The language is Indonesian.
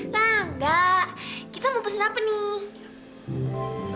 rangga kita mau pesen apa nih